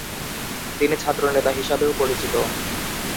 তিনি ছাত্রনেতা হিসাবেও পরিচিত।